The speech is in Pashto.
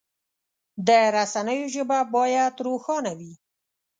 د رسنیو ژبه باید روښانه وي.